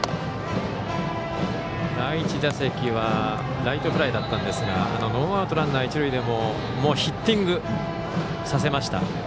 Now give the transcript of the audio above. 第１打席はライトフライだったんですがノーアウト、ランナー、一塁でヒッティングさせました。